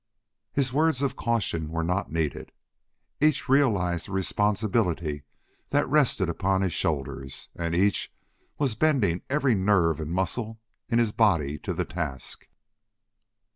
His words of caution were not needed. Each realized the responsibility that rested upon his shoulders, and each was bending every nerve and muscle in his body to the task.